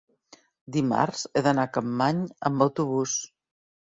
dimarts he d'anar a Capmany amb autobús.